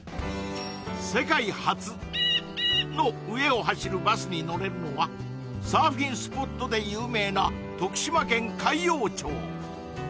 世界初○○の上を走るバスに乗れるのはサーフィンスポットで有名な徳島県海陽町